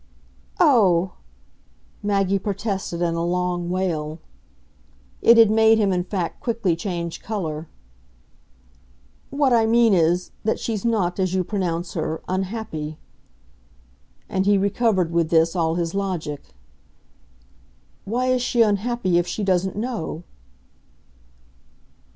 "O oh!" Maggie protested in a long wail. It had made him in fact quickly change colour. "What I mean is that she's not, as you pronounce her, unhappy." And he recovered, with this, all his logic. "Why is she unhappy if she doesn't know?"